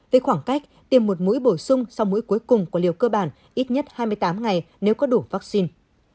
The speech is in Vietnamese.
với khoảng cách tiêm một mũi bổ sung sau mũi cuối cùng của liều cơ bản ít nhất hai mươi tám ngày nếu có đủ vaccine